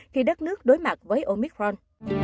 khi đất nước đối mặt với omicron